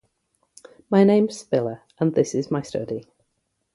My name's Spiller, and this is my study.